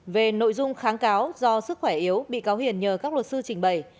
về nội dung kháng cáo do sức khỏe yếu bị cáo hiền nhờ các luật sư trình bày